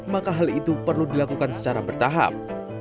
maka hal itu perlu dilakukan secara bertahap